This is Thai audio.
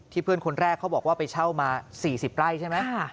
เพื่อนคนแรกเขาบอกว่าไปเช่ามา๔๐ไร่ใช่ไหม